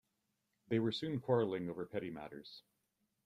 They were soon quarrelling over petty matters.